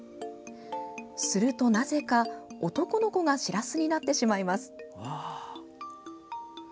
すると、なぜか男の子がしらすになってしまいます。